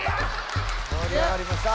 もりあがりました。